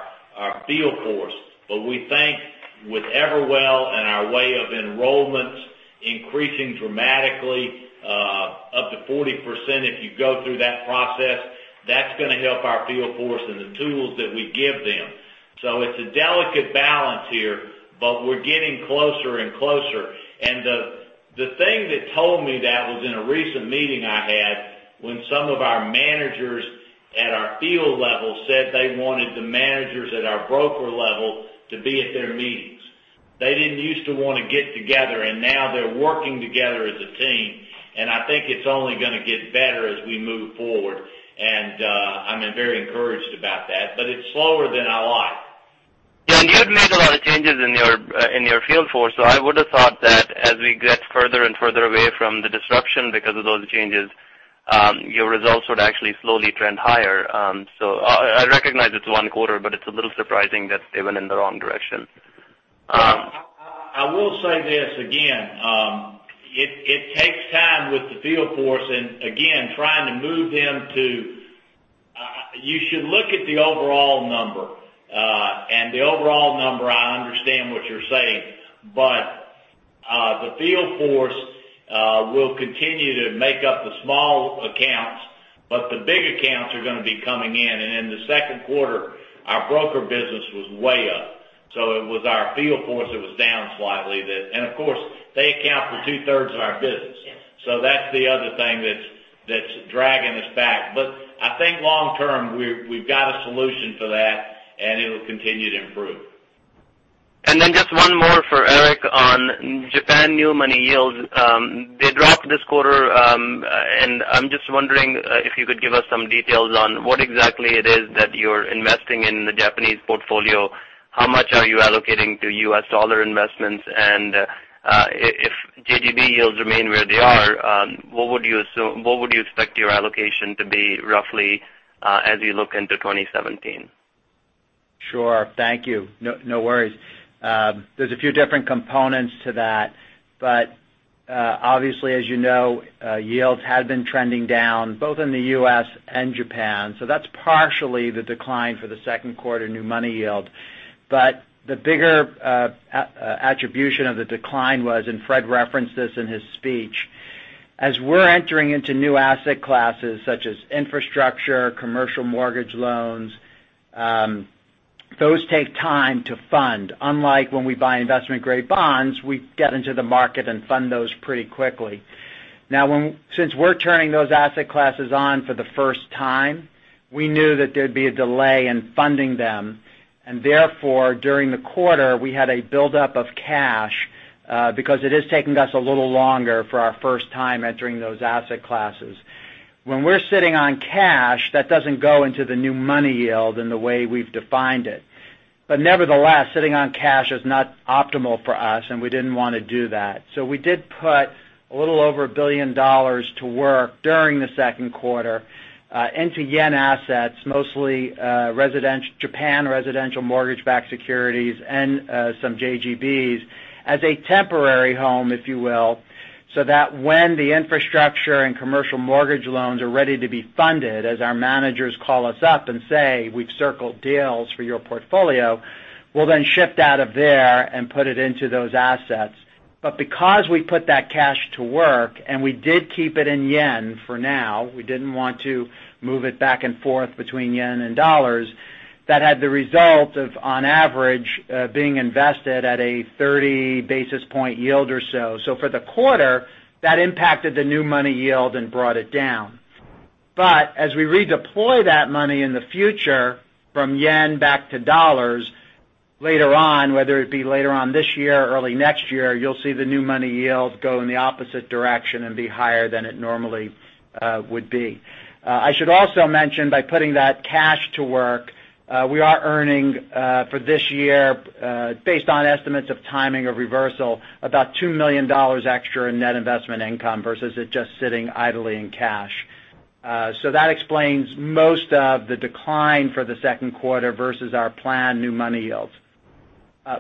field force. We think with Everwell and our way of enrollments increasing dramatically up to 40% if you go through that process, that's going to help our field force and the tools that we give them. It's a delicate balance here, but we're getting closer and closer. The thing that told me that was in a recent meeting I had, when some of our managers at our field level said they wanted the managers at our broker level to be at their meetings. They didn't use to want to get together, and now they're working together as a team, and I think it's only going to get better as we move forward. I'm very encouraged about that. It's slower than I like. Dan, you have made a lot of changes in your field force. I would have thought that as we get further and further away from the disruption because of those changes, your results would actually slowly trend higher. I recognize it's one quarter, but it's a little surprising that they went in the wrong direction. I will say this again. It takes time with the field force, and again, trying to move them to You should look at the overall number. The overall number, I understand what you're saying. The field force will continue to make up the small accounts, but the big accounts are going to be coming in. In the second quarter, our broker business was way up. It was our field force that was down slightly. Of course, they account for two-thirds of our business. Yes. That's the other thing that's dragging us back. I think long-term, we've got a solution for that, and it'll continue to improve. Just one more for Eric on Japan new money yields. They dropped this quarter, and I'm just wondering if you could give us some details on what exactly it is that you're investing in the Japanese portfolio, how much are you allocating to U.S. dollar investments, and if JGB yields remain where they are, what would you expect your allocation to be roughly as you look into 2017? Sure. Thank you. No worries. There's a few different components to that. Obviously, as you know, yields had been trending down, both in the U.S. and Japan. That's partially the decline for the second quarter new money yield. The bigger attribution of the decline was, and Fred referenced this in his speech, as we're entering into new asset classes, such as infrastructure, commercial mortgage loans, those take time to fund. Unlike when we buy investment-grade bonds, we get into the market and fund those pretty quickly. Since we're turning those asset classes on for the first time, we knew that there'd be a delay in funding them. Therefore, during the quarter, we had a buildup of cash because it is taking us a little longer for our first time entering those asset classes. When we're sitting on cash, that doesn't go into the new money yield in the way we've defined it. Nevertheless, sitting on cash is not optimal for us, and we didn't want to do that. We did put a little over $1 billion to work during the second quarter into JPY assets, mostly Japan residential mortgage-backed securities and some JGBs as a temporary home, if you will. When the infrastructure and commercial mortgage loans are ready to be funded, as our managers call us up and say, "We've circled deals for your portfolio," we'll then shift out of there and put it into those assets. Because we put that cash to work, and we did keep it in JPY for now, we didn't want to move it back and forth between JPY and USD, that had the result of, on average, being invested at a 30 basis point yield or so. For the quarter, that impacted the new money yield and brought it down. As we redeploy that money in the future from JPY back to USD later on, whether it be later on this year or early next year, you'll see the new money yield go in the opposite direction and be higher than it normally would be. I should also mention, by putting that cash to work, we are earning, for this year, based on estimates of timing of reversal, about $2 million extra in net investment income versus it just sitting idly in cash. That explains most of the decline for the second quarter versus our planned new money yields.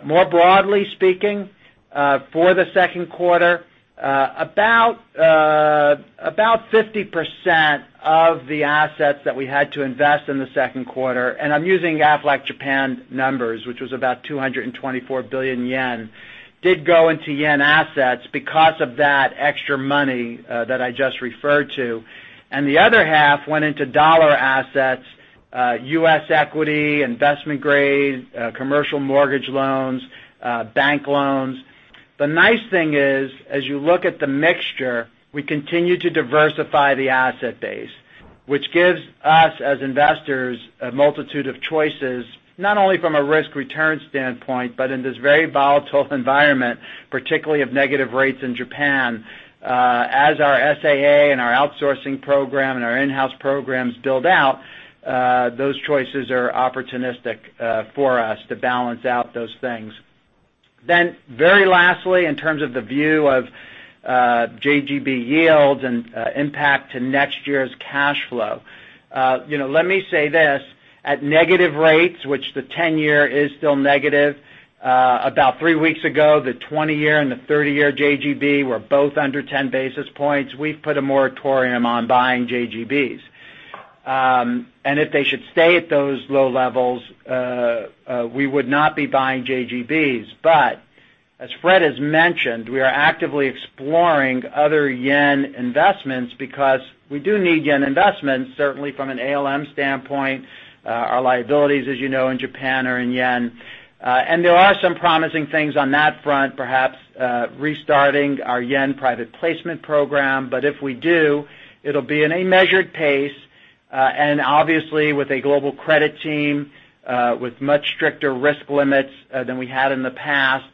More broadly speaking, for the second quarter, about 50% of the assets that we had to invest in the second quarter, and I'm using Aflac Japan numbers, which was about 224 billion yen, did go into JPY assets because of that extra money that I just referred to. The other half went into USD assets, U.S. equity, investment grade, commercial mortgage loans, bank loans. The nice thing is, as you look at the mixture, we continue to diversify the asset base. Which gives us, as investors, a multitude of choices, not only from a risk-return standpoint, but in this very volatile environment, particularly of negative rates in Japan. As our SAA and our outsourcing program and our in-house programs build out, those choices are opportunistic for us to balance out those things. Very lastly, in terms of the view of JGB yields and impact to next year's cash flow. Let me say this. At negative rates, which the 10-year is still negative, about three weeks ago, the 20-year and the 30-year JGB were both under 10 basis points. We've put a moratorium on buying JGBs. If they should stay at those low levels, we would not be buying JGBs. As Fred has mentioned, we are actively exploring other JPY investments because we do need JPY investments, certainly from an ALM standpoint. Our liabilities, as you know, in Japan are in JPY. There are some promising things on that front, perhaps restarting our JPY private placement program. If we do, it'll be in a measured pace. Obviously with a global credit team, with much stricter risk limits than we had in the past,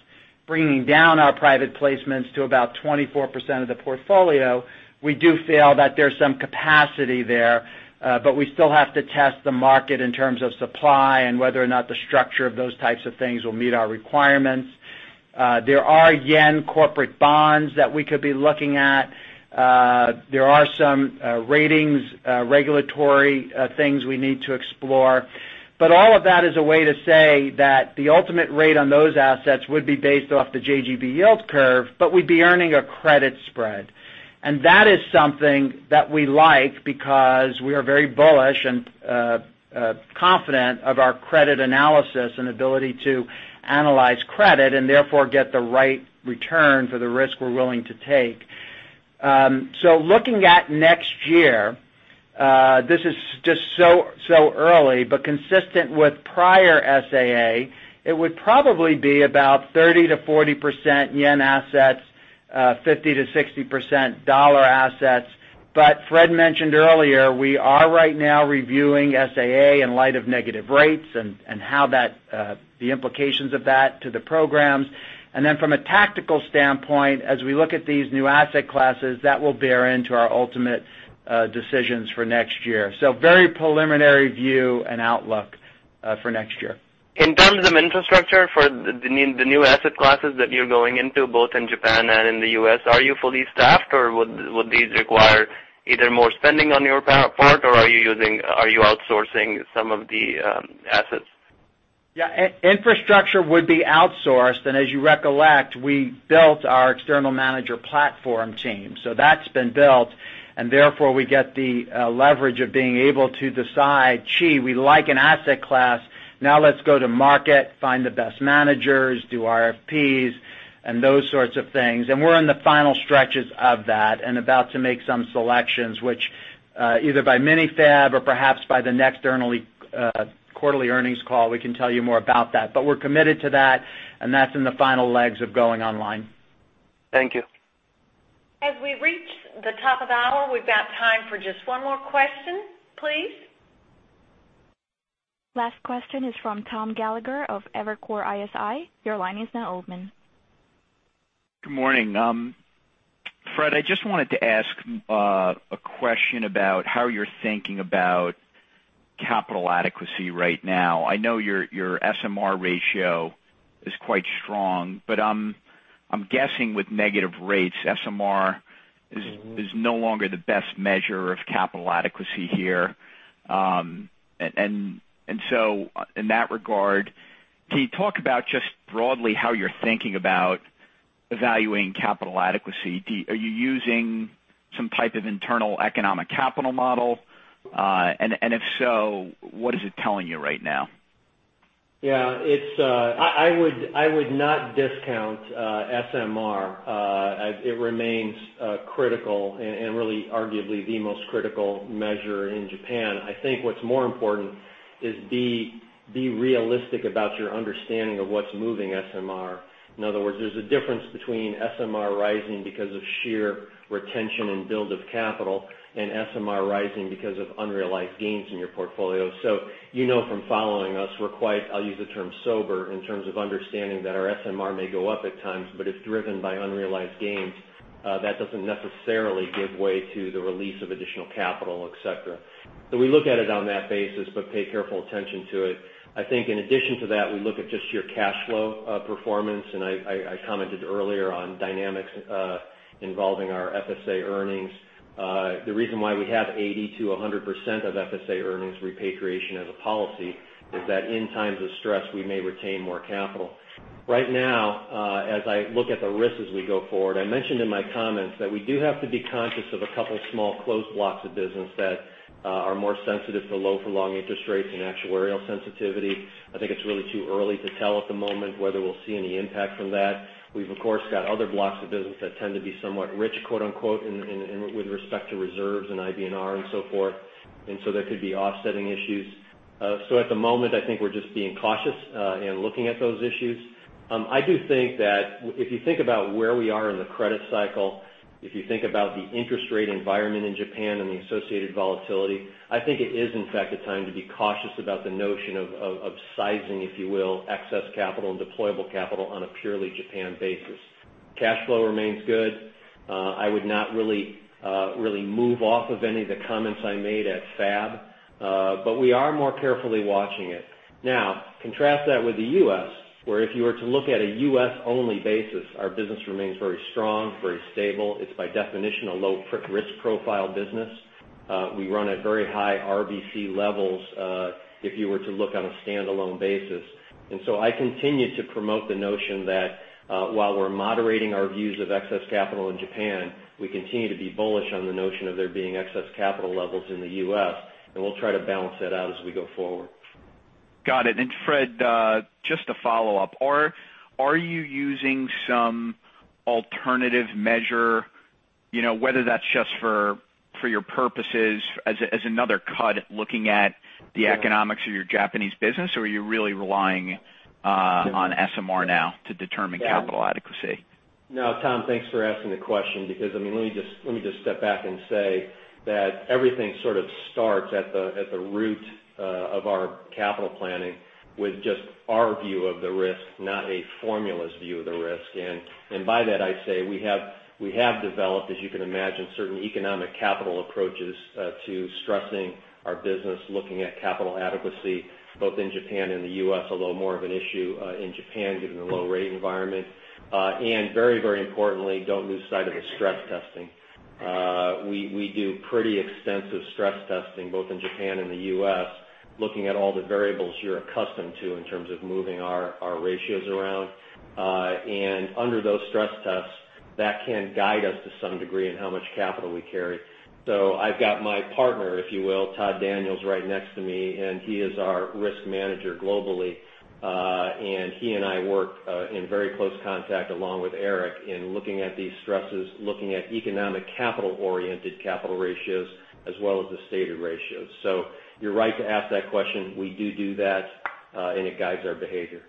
bringing down our private placements to about 24% of the portfolio. We do feel that there's some capacity there, but we still have to test the market in terms of supply and whether or not the structure of those types of things will meet our requirements. There are JPY corporate bonds that we could be looking at. There are some ratings, regulatory things we need to explore. All of that is a way to say that the ultimate rate on those assets would be based off the JGB yield curve, but we'd be earning a credit spread. That is something that we like because we are very bullish and confident of our credit analysis and ability to analyze credit, therefore get the right return for the risk we're willing to take. Looking at next year, this is just so early, but consistent with prior SAA, it would probably be about 30%-40% JPY assets, 50%-60% USD assets. Fred mentioned earlier, we are right now reviewing SAA in light of negative rates and the implications of that to the programs. Then from a tactical standpoint, as we look at these new asset classes, that will bear into our ultimate decisions for next year. Very preliminary view and outlook for next year. In terms of infrastructure for the new asset classes that you're going into, both in Japan and in the U.S., are you fully staffed or would these require either more spending on your part or are you outsourcing some of the assets? Infrastructure would be outsourced, as you recollect, we built our external manager platform team. That's been built, therefore we get the leverage of being able to decide, gee, we like an asset class. Now let's go to market, find the best managers, do RFPs, those sorts of things. We're in the final stretches of that and about to make some selections, which, either by mini-fab or perhaps by the next quarterly earnings call, we can tell you more about that. We're committed to that's in the final legs of going online. Thank you. As we reach the top of the hour, we've got time for just one more question, please. Last question is from Thomas Gallagher of Evercore ISI. Your line is now open. Good morning. Fred, I just wanted to ask a question about how you're thinking about capital adequacy right now. I know your SMR ratio is quite strong, but I'm guessing with negative rates, SMR is no longer the best measure of capital adequacy here. In that regard, can you talk about just broadly how you're thinking about evaluating capital adequacy? Are you using some type of internal economic capital model? If so, what is it telling you right now? Yeah. I would not discount SMR. It remains critical and really arguably the most critical measure in Japan. I think what's more important is be realistic about your understanding of what's moving SMR. In other words, there's a difference between SMR rising because of sheer retention and build of capital, and SMR rising because of unrealized gains in your portfolio. You know from following us, we're quite, I'll use the term sober in terms of understanding that our SMR may go up at times, but if driven by unrealized gains, that doesn't necessarily give way to the release of additional capital, et cetera. We look at it on that basis, but pay careful attention to it. I think in addition to that, we look at just your cash flow performance, and I commented earlier on dynamics involving our FSA earnings. The reason why we have 80%-100% of FSA earnings repatriation as a policy is that in times of stress, we may retain more capital. Right now, as I look at the risks as we go forward, I mentioned in my comments that we do have to be conscious of a couple of small closed blocks of business that are more sensitive to low for long interest rates and actuarial sensitivity. I think it's really too early to tell at the moment whether we'll see any impact from that. We've, of course, got other blocks of business that tend to be somewhat rich, quote unquote, with respect to reserves and IBNR and so forth. There could be offsetting issues. At the moment, I think we're just being cautious, and looking at those issues. I do think that if you think about where we are in the credit cycle, if you think about the interest rate environment in Japan and the associated volatility, I think it is in fact a time to be cautious about the notion of sizing, if you will, excess capital and deployable capital on a purely Japan basis. Cash flow remains good. I would not really move off of any of the comments I made at FAB. We are more carefully watching it. Now contrast that with the U.S., where if you were to look at a U.S. only basis, our business remains very strong, very stable. It's by definition, a low risk profile business. We run at very high RBC levels, if you were to look on a standalone basis. I continue to promote the notion that, while we're moderating our views of excess capital in Japan, we continue to be bullish on the notion of there being excess capital levels in the U.S., and we'll try to balance that out as we go forward. Got it. Fred, just a follow-up. Are you using some alternative measure, whether that's just for your purposes as another cut looking at the economics of your Japanese business, or are you really relying on SMR now to determine capital adequacy? No, Tom, thanks for asking the question because, let me just step back and say that everything sort of starts at the root of our capital planning with just our view of the risk, not a formula's view of the risk. By that, I say we have developed, as you can imagine, certain economic capital approaches to stressing our business, looking at capital adequacy both in Japan and the U.S., although more of an issue in Japan given the low rate environment. Very importantly, don't lose sight of the stress testing. We do pretty extensive stress testing both in Japan and the U.S., looking at all the variables you're accustomed to in terms of moving our ratios around. Under those stress tests, that can guide us to some degree in how much capital we carry. I've got my partner, if you will, Todd Daniels, right next to me, and he is our risk manager globally. He and I work in very close contact along with Eric in looking at these stresses, looking at economic capital-oriented capital ratios as well as the stated ratios. You're right to ask that question. We do that, and it guides our behavior.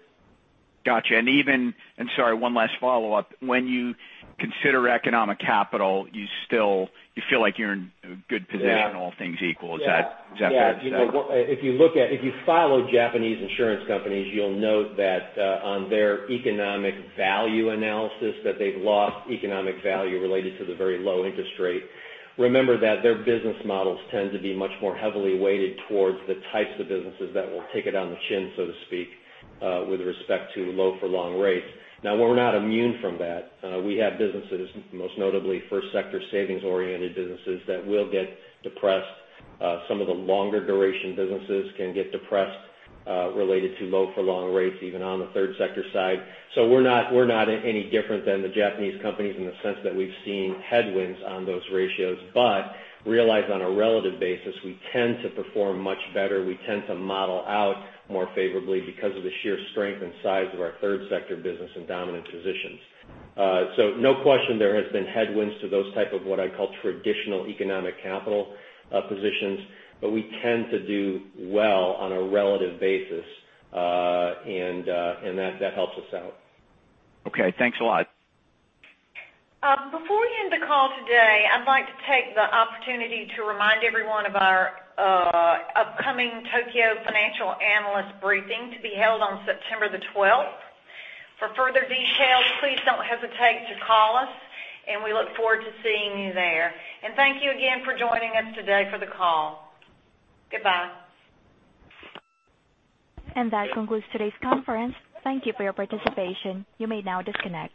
Got you. Even, sorry, one last follow-up. When you consider economic capital, you feel like you're in a good position, all things equal. Is that fair to say? If you follow Japanese insurance companies, you'll note that on their economic value analysis, that they've lost economic value related to the very low interest rate. Remember that their business models tend to be much more heavily weighted towards the types of businesses that will take it on the chin, so to speak, with respect to low for long rates. Now, we're not immune from that. We have businesses, most notably first sector savings-oriented businesses that will get depressed. Some of the longer duration businesses can get depressed, related to low for long rates, even on the third sector side. We're not any different than the Japanese companies in the sense that we've seen headwinds on those ratios. Realize on a relative basis, we tend to perform much better. We tend to model out more favorably because of the sheer strength and size of our third sector business and dominant positions. No question there has been headwinds to those type of what I call traditional economic capital positions, but we tend to do well on a relative basis. That helps us out. Okay. Thanks a lot. Before we end the call today, I'd like to take the opportunity to remind everyone of our upcoming Tokyo financial analyst briefing to be held on September the 12th. For further details, please don't hesitate to call us, we look forward to seeing you there. Thank you again for joining us today for the call. Goodbye. That concludes today's conference. Thank you for your participation. You may now disconnect.